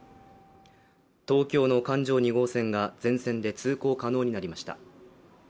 東京の環状２号線が全線で通行可能になりました。